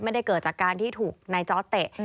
ไม่ได้เกิดจากการที่ถูกนายจอร์ดเตะ